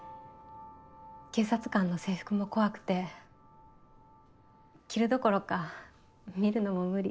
警察官の制服も怖くて着るどころか見るのも無理。